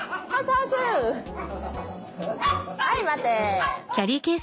はい待て。